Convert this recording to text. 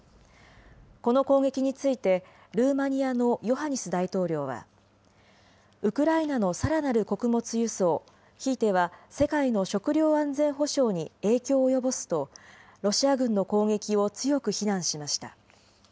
この攻撃についてルーマニアのヨハニス大統領は、ウクライナのさらなる穀物輸送、ひいては世界の食料安全保障に影響を及ぼすと、ロシア軍の攻撃を強く非難しました。